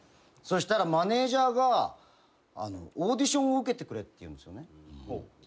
そしたらマネジャーがオーディションを受けてくれって言うんですよね。